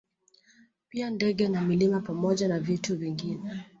Pia ndege na milima pamoja na vitu vingine